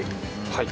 はい。